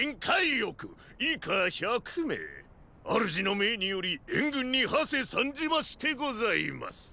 億以下百名主の命により援軍に馳せ参じましてございます！